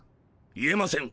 言えません。